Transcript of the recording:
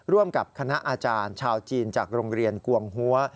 ร่วมกับคณะอาจารย์ชาวจีนจากโรงเรียนกวงหัว